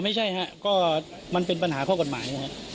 ไม่ใช่ฮะก็มันเป็นปัญหาข้อกฎหมายนะครับ